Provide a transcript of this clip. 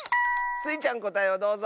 スイちゃんこたえをどうぞ！